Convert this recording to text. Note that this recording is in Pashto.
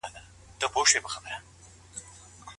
که له کوره وتلو ته اړتيا وي څه بايد وسي؟